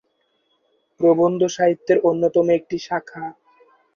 প্রবন্ধ সাহিত্যের অন্যতম একটি শাখা।